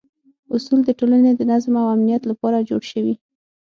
اصول د ټولنې د نظم او امنیت لپاره جوړ شوي.